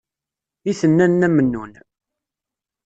I tenna Nna Mennun.